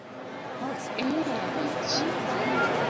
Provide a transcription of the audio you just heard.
Ok imiya mich?